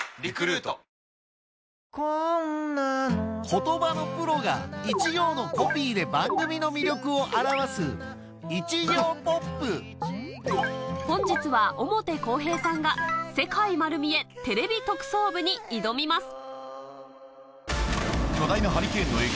言葉のプロが一行のコピーで番組の魅力を表す本日は表公平さんが『世界まる見え！テレビ特捜部』に挑みます